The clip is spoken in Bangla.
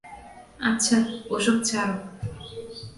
আচ্ছা, ওসব ছাড়ো।